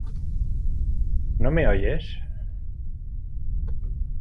¿ no me oyes?